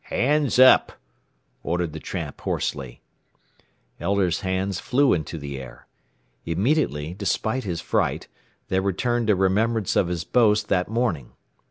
"Hands up!" ordered the tramp hoarsely. Elder's hands flew into the air. Immediately, despite his fright, there returned a remembrance of his boast that morning.